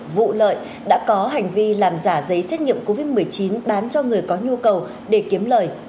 vụ lợi đã có hành vi làm giả giấy xét nghiệm covid một mươi chín bán cho người có nhu cầu để kiếm lời